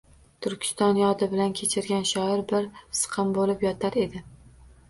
Turkiston yodi bilan kechirgan shoir bir siqim bo’lib yotar edi.